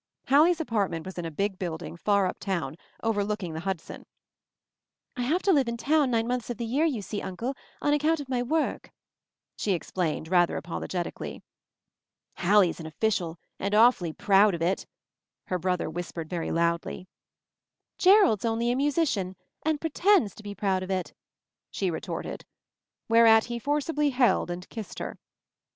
Hallie's apartment was in a big building, far uptown, overlooking the Hudson "I have to live in town nine months of the year, you see, Uncle, on account of my work," she explained rather apologetically. "Hallie's an official — and awfully proud of it," her brother whispered very loudly. " Jerrold's only a musician — and pretends to be proud of it!" she retorted. Whereat he forcibly held and kissed her.